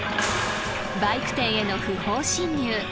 ［バイク店への不法侵入。